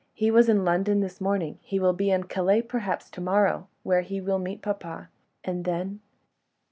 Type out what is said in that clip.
"He was in London this morning; he will be in Calais, perhaps, to morrow ... where he will meet papa ... and then